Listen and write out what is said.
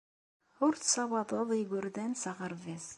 Ur tessawaḍeḍ igerdan s aɣerbaz.